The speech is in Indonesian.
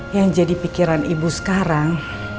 yang jadi pikiran ibu sekarang